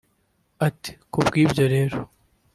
Ati “Ku bw’ibyo rero